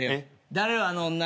誰よあの女。